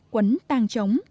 quấn tang trống